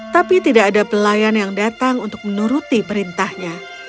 tapi tidak ada pelayan yang datang untuk menuruti perintahnya